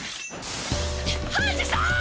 ハンジさん！！